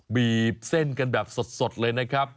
บีบเส้นกันแบบสดเลยนะครับ